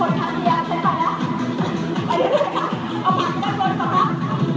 อ่ะล้อมแล้วค่ะนี่ส่วนเป็นหนึ่งนะครับ